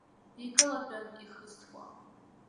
Икылатәан ихысуа.